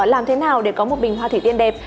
làm thế nào để có một bình hoa thủy tiên đẹp